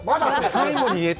最後に言えと。